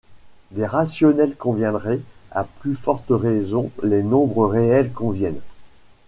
Des rationnels conviendraient, à plus forte raison les nombres réels conviennent.